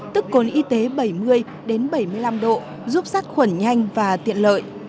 tức cồn y tế bảy mươi đến bảy mươi năm độ giúp sát khuẩn nhanh và tiện lợi